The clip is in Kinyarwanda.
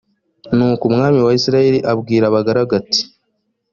nuko umwami wa isirayeli abwira abagaragu be ati